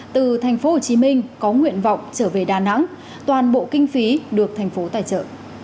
từ thành phố hồ chí minh có nguyện vọng trở về đà nẵng toàn bộ kinh phí được thành phố tài trợ